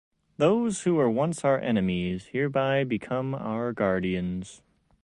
Those who were once our enemies hereby become our guardians.